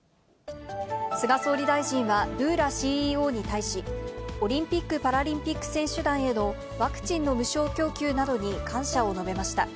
菅総理大臣はブーラＣＥＯに対し、オリンピック・パラリンピック選手団へのワクチンの無償供給などに感謝を述べました。